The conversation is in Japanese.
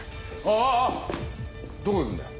あぁどこ行くんだよ？